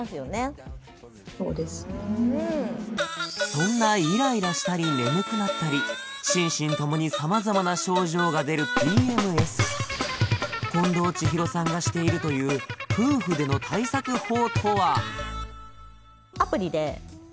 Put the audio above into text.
そんなイライラしたり眠くなったり心身ともに近藤千尋さんがしているという夫婦での対策法とは？